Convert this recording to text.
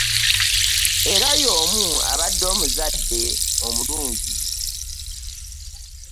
Era y'omu abadde omuzadde omulungi.